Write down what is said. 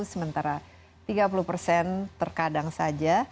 sementara tiga puluh persen terkadang saja